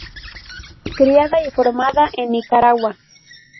Criada y formada en Nicaragua.